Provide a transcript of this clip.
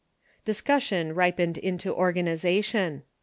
Discussion ripened into organization.